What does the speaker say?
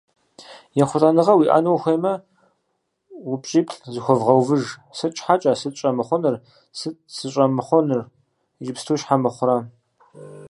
Ехъулӏэныгъэ уиӏэну ухуеймэ, упщӏиплӏ зыхуэвгъэувыж: Сыт Щхьэкӏэ? Сыт щӏэмыхъунур? Сыт сыщӏэмыхъунур? Иджыпсту щхьэ мыхъурэ?